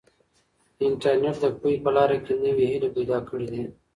انټرنیټ د پوهې په لاره کې نوې هیلې پیدا کړي دي.